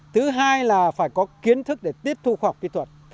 thứ hai là phải có kiến thức để tiếp thu khoa học kỹ thuật